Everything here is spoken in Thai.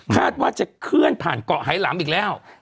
คาดว่าจะเคลื่อนผ่านเกาะไหลำอีกแล้ว